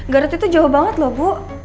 garut itu jauh banget loh bu